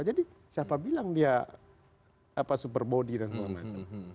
jadi siapa bilang dia super body dan segala macam